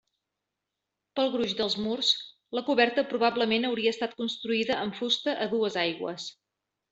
Pel gruix dels murs, la coberta probablement hauria estat construïda amb fusta a dues aigües.